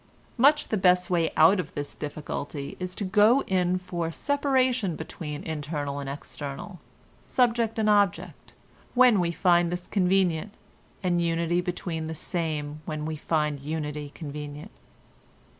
Much the best way out of this difficulty is to go in for separation between internal and external—subject and object—when we find this convenient, and unity between the same when we find unity convenient.